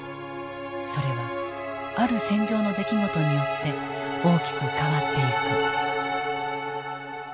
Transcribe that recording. それはある戦場の出来事によって大きく変わっていく。